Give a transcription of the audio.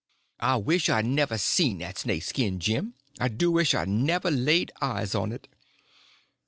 "I wish I'd never seen that snake skin, Jim—I do wish I'd never laid eyes on it."